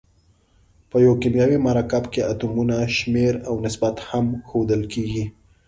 په یو کیمیاوي مرکب کې اتومونو شمیر او نسبت هم ښودل کیږي.